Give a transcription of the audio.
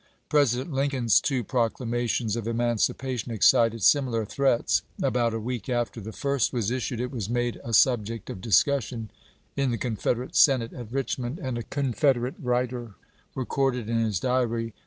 President Lincoln's two proclamations of eman cipation excited similiar threats. About a week after the first was issued it was made a subject of discussion in the Confederate Senate at Richmond, and a Confederate writer recorded in his diary the Davie, Proclama tion, Dec.